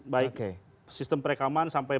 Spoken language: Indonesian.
baik sistem perekaman sampai